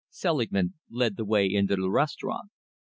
Selingman led the way into the restaurant.